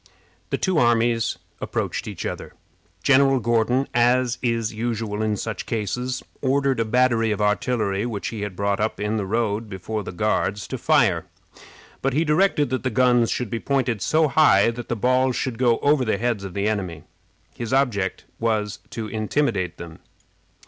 The two armies approached each other. General Gordon, as is usual in such cases, ordered a battery of artillery which he had brought up in the road before the Guards to fire, but he directed that the guns should be pointed so high that the balls should go over the heads of the enemy. His object was to intimidate them.